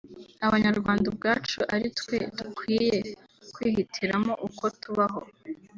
Abanyarwanda ubwacu ari twe dukwiye kwihitiramo uko tubaho